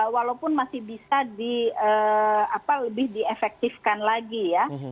walaupun masih bisa di apa lebih diefektifkan lagi ya